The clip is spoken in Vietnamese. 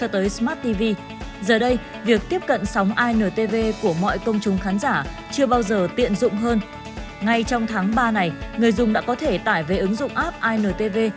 trong thời gian qua này người dùng đã có thể tải về ứng dụng app intv